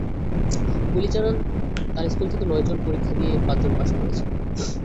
পলি জানান, তাঁর স্কুল থেকে নয়জন পরীক্ষা দিয়ে পাঁচজন পাস করেছে।